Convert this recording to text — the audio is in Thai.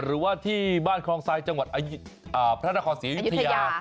หรือว่าที่บ้านคลองทรายจังหวัดพระนครศรีอยุธยา